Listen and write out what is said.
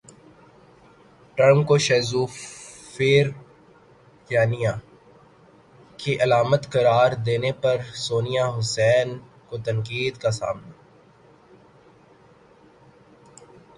ٹزم کو شیزوفیرینیا کی علامت قرار دینے پر سونیا حسین کو تنقید کا سامنا